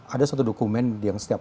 ada satu dokumen yang setiap